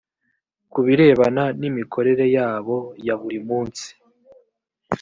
ku birebana n imikorere yabo ya buri munsi